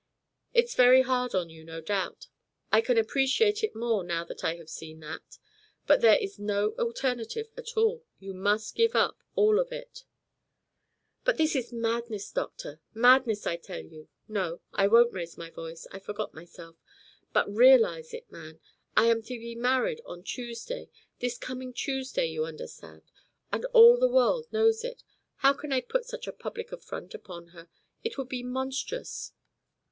"It is very hard on you, no doubt. I can appreciate it more now that I have seen that. But there is no alternative at all. You must give up all thought of it." "But this is madness, doctor madness, I tell you. No, I won't raise my voice. I forgot myself. But realise it, man. I am to be married on Tuesday. This coming Tuesday, you understand. And all the world knows it. How can I put such a public affront upon her. It would be monstrous."